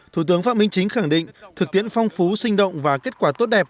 thủ tướng phạm minh chính khẳng định thực tiễn phong phú sinh động và kết quả tốt đẹp